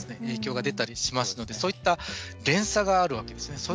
影響が出たりしますのでそういった連鎖があるわけですね。